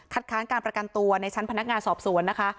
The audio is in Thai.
ค้านการประกันตัวในชั้นพนักงานสอบสวนนะคะ